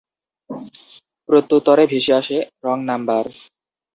প্রত্যুত্তরে ভেসে আসে ‘wrong number’.